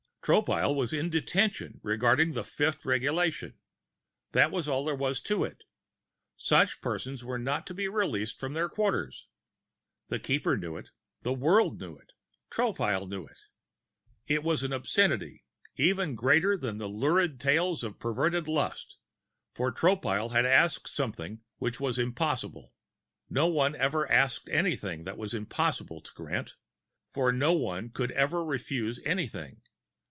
Tropile was in detention regarding the Fifth Regulation. That was all there was to it. Such persons were not to be released from their quarters. The Keeper knew it, the world knew it, Tropile knew it. It was an obscenity even greater than the lurid tales of perverted lust, for Tropile had asked something which was impossible! No one ever asked anything that was impossible to grant, for no one could ever refuse anything.